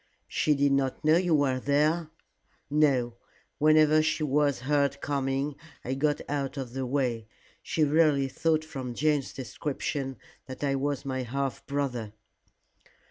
"She did not know you were there?" "No. Whenever she was heard coming I got out of the way. She really thought from Jane's description that I was my half brother."